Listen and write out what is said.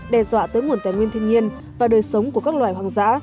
đe dọa tới nguồn tài nguyên thiên nhiên và đời sống của các loài hoang dã